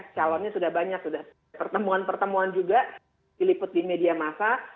calonnya sudah banyak sudah pertemuan pertemuan juga diliput di media masa